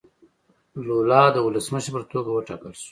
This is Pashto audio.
لولا د ولسمشر په توګه وټاکل شو.